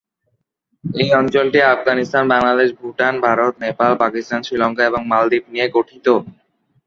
এই অঞ্চলটি আফগানিস্তান, বাংলাদেশ, ভুটান, ভারত, নেপাল, পাকিস্তান, শ্রীলঙ্কা এবং মালদ্বীপ নিয়ে গঠিত।